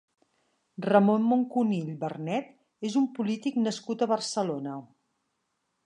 Ramon Moncunill Bernet és un polític nascut a Barcelona.